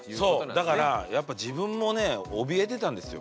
そうだからやっぱ自分もねおびえてたんですよ。